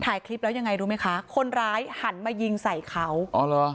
ถ่ายคลิปแล้วยังไงรู้ไหมคะคนร้ายหันมายิงใส่เขาอ๋อเหรอ